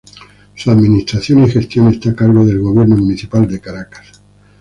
Su administración y gestión está a cargo del gobierno municipal de Caracas.